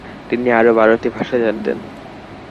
তিনি আরো বারোটি ভাষা জানতেন।